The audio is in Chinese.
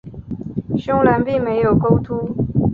胸篮并没有钩突。